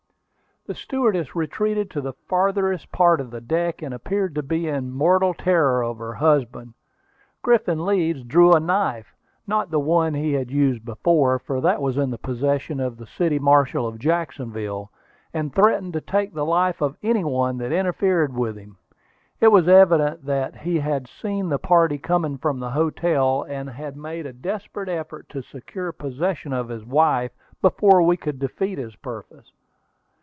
The stewardess retreated to the farthest part of the deck, and appeared to be in mortal terror of her husband. Griffin Leeds drew a knife, not the one he had used before, for that was in the possession of the city marshal of Jacksonville, and threatened to take the life of any one that interfered with him. It was evident that he had seen the party coming from the hotel, and had made a desperate effort to secure possession of his wife before we could defeat his purpose.